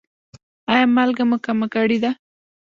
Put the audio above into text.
ایا مالګه مو کمه کړې ده؟